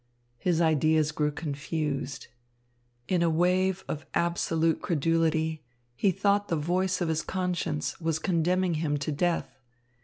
His ideas grew confused. In a wave of absolute credulity, he thought the voice of his conscience was condemning him to death.